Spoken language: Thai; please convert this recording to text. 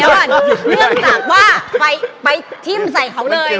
เรื่องจากว่าไปทิ้งใส่เขาเลย